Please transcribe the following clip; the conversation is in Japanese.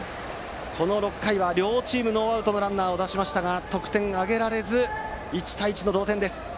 この６回は両チームノーアウトのランナーを出しましたが得点を挙げられず、１対１の同点。